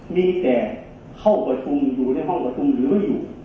มีแต่เข้าประชุมอยู่ในห้องประชุมหรือไม่อยู่